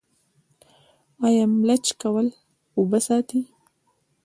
آیا ملچ کول اوبه ساتي؟